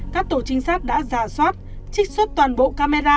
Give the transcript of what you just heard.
các tổ chính sát đã rà soát trích xuất toàn bộ camera